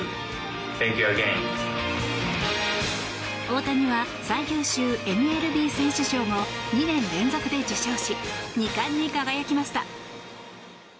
大谷は最優秀ＭＬＢ選手賞も２年連続で受賞し２冠に輝きました。